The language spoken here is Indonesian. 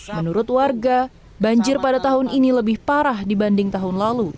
menurut warga banjir pada tahun ini lebih parah dibanding tahun lalu